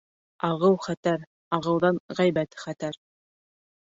Ағыу хәтәр, ағыуҙан ғәйбәт хәтәр.